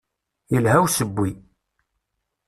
Yelha usewwi.